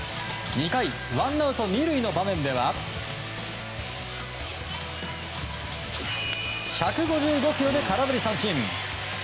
２回、ワンアウト２塁の場面では１５５キロで空振り三振。